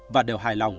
và đều hài lòng